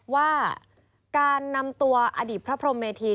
ว่าการนำตัวอดีตพระพรมเมธี